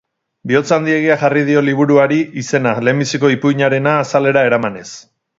Bihotz handiegia jarri dio liburuari izena, lehenbiziko ipuinarena azalera eramanez.